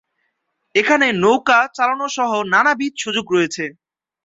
এখানে নৌকা চালানো সহ নানাবিধ সুযোগ রয়েছে।